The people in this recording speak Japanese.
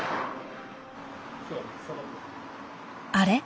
あれ？